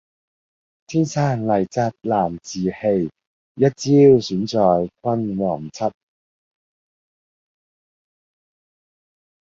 天生麗質難自棄，一朝選在君王側。